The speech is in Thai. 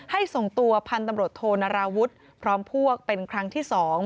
ส่งตัวพันธุ์ตำรวจโทนาราวุฒิพร้อมพวกเป็นครั้งที่๒